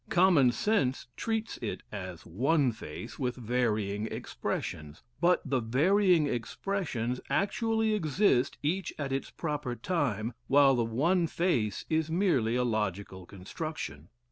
Common sense treats it as one face with varying expressions; but the varying expressions actually exist, each at its proper time, while the one face is merely a logical construction.